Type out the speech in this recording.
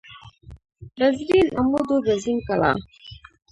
بزرین عمود و بزرین کلاه